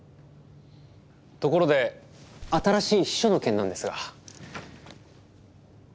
ところで新しい秘書の件なんですが。